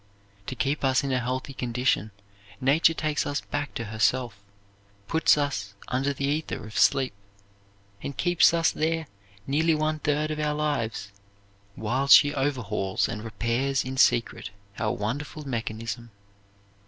To keep us in a healthy condition, Nature takes us back to herself, puts us under the ether of sleep, and keeps us there nearly one third of our lives, while she overhauls and repairs in secret our wonderful mechanism.